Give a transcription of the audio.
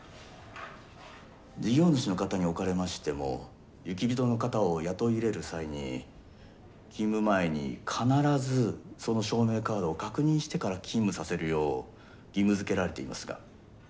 事業主の方におかれましても雪人の方を雇い入れる際に勤務前に必ずその証明カードを確認してから勤務させるよう義務づけられていますが。